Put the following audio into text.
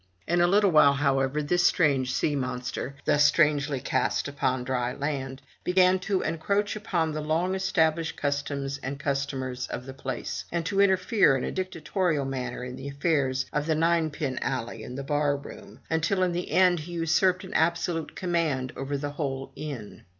In a little while, however, this strange sea monster, thus strangely cast upon dry land, began to encroach upon the long established customs and customers of the place and to interfere in a dictatorial manner in the affairs of the ninepin alley and the bar room, until in the end he usurped an absolute command over the whole inn.